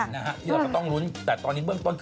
นี้เราก็ต้องรุ้นแต่ตอนนี้เบื้องต้น